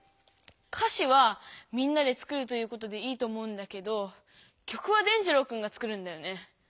歌詞はみんなで作るということでいいと思うんだけど曲は伝じろうくんが作るんだよね？